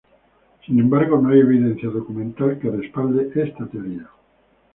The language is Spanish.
Sin embargo, no hay evidencia documental que respalde esta teoría.